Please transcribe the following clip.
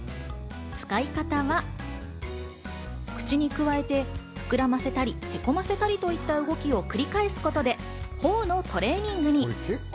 使い方は、口にくわえて膨らませたり、へこませたりといった動きを繰り返すことで、頬のトレーニングに。